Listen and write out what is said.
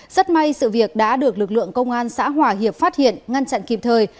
rất may sự việc đã được lực lượng công an xã hòa hiệp phát hiện ngăn chặn kịp thời